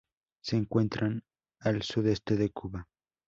Se encuentran al sudeste de Cuba.